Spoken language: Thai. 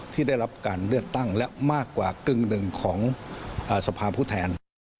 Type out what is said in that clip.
ที่ได้รับการเลือกตั้งและมากกว่ากึ่งหนึ่งของสภาผู้แทน